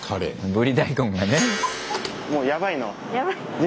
ブリ大根がね。